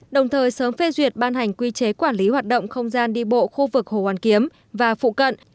đồng thời sớm phê duyệt ban hành quy chế quản lý hoạt động không gian đi bộ khu vực hồ hoàn kiếm và phụ cận